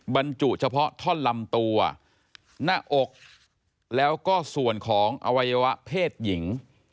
บรรจุเฉพาะท่อนลำตัวหน้าอกแล้วก็ส่วนของอวัยวะเพศหญิง